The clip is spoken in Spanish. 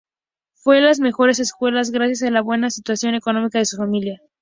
Fue a las mejores escuelas gracias a la buena situación económica de su familia.